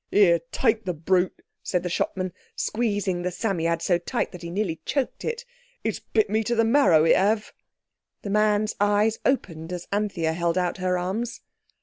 "Here, take the brute," said the shopman, squeezing the Psammead so tight that he nearly choked it. "It's bit me to the marrow, it have." The man's eyes opened as Anthea held out her arms.